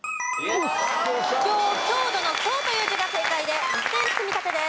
帰郷郷土の「郷」という字が正解で２点積み立てです。